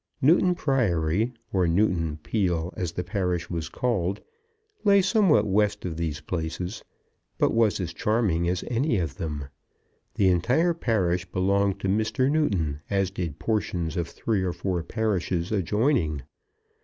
Newton Priory, or Newton Peele as the parish was called, lay somewhat west of these places, but was as charming as any of them. The entire parish belonged to Mr. Newton, as did portions of three or four parishes adjoining.